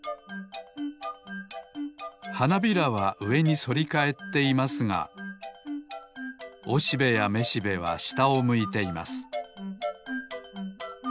はなびらはうえにそりかえっていますがおしべやめしべはしたをむいています